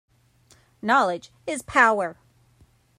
Knowledge is power